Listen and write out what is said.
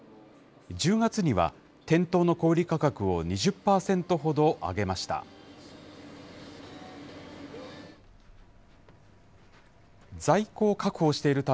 １０月には、店頭の小売り価格を２０％ほど上げました。